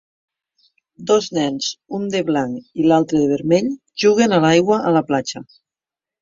Dos nens, un de blanc i l'altre de vermell, juguen a l'aigua a la platja.